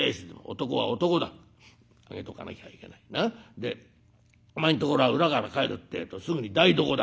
でお前んところは裏から帰るってえとすぐに台所だ。